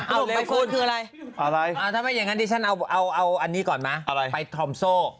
เอาเลยคุณคืออะไรทำไมอย่างนั้นที่ฉันเอาอันนี้ก่อนมาไปทรอมโซ่